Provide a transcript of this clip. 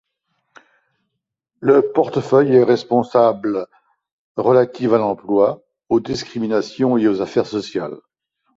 Le portefeuille est responsable relatives à l'emploi, aux discriminations et aux affaires sociales.